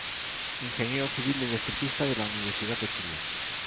Ingeniero Civil Electricista de la Universidad de Chile.